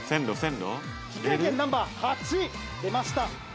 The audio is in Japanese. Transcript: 引換券ナンバー８、出ました。